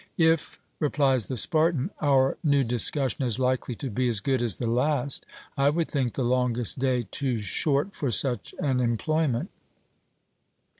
'If,' replies the Spartan, 'our new discussion is likely to be as good as the last, I would think the longest day too short for such an employment.'